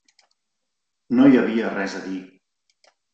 No hi havia res a dir.